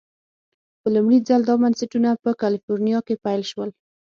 په لومړي ځل دا بنسټونه په کلفورنیا کې پیل شول.